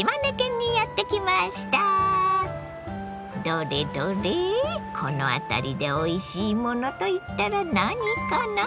どれどれこの辺りでおいしいものといったら何かな？